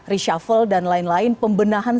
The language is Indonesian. reshuffle dan lain lain pembenahan